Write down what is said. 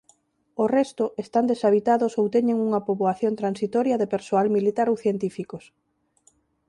O resto están deshabitados ou teñen unha poboación transitoria de persoal militar ou científicos.